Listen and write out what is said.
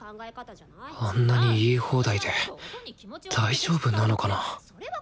あんなに言い放題で大丈夫なのかな？